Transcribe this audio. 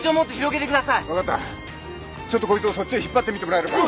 ちょっとこいつをそっちへ引っ張ってみてもらえるか？